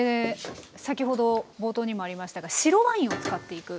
先ほど冒頭にもありましたが白ワインを使っていく。